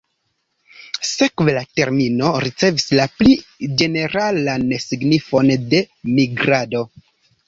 Sekve la termino ricevis la pli ĝeneralan signifon de 'migrado".